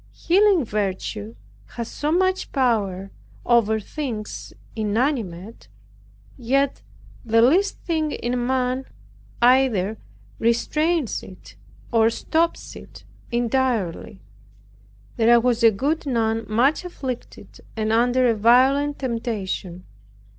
Healing virtue has so much power over things inanimate, yet the least thing in man either restrains it, or stops it entirely. There was a good nun much afflicted and under a violent temptation.